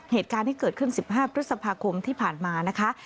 เหตุการณ์ที่เกิดขึ้น๑๕พฤษภาคมที่ผ่านมานะคะ